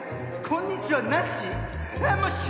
「こんにちは」なし？